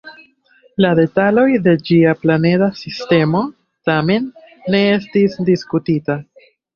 La detaloj de ĝia planeda sistemo, tamen, ne estis diskutita.